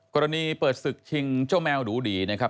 กรณีเปิดศึกชิงเจ้าแมวดูดีนะครับ